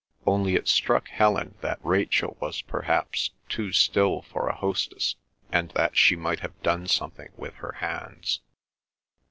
Only it struck Helen that Rachel was perhaps too still for a hostess, and that she might have done something with her hands.